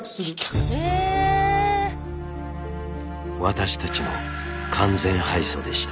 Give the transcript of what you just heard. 私たちの完全敗訴でした。